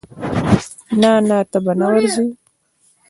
نه نه ته به نه ورزې.